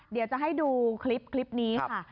เดี๋ยวจะให้ดูคลิปนี้ค่ะ